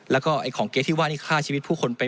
แล้วก็ไอ้ของเก๊ที่ว่านี่ฆ่าชีวิตผู้คนเป็น